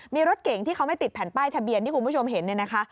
มีรถเก่งที่เขาไม่ติดแผ่นป้ายทะเบียนที่คุณผู้ชมเห็นเนี่ยนะคะ